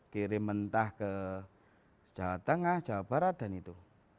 kirim mentah ke jawa tengah jawa barat dan itu